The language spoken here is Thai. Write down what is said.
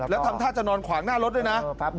แล้วทำท่าจะนอนขวางหน้ารถด้วยนะ